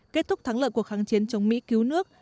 kết thúc thắng lợi cuộc kháng chiến chống mỹ cứu nước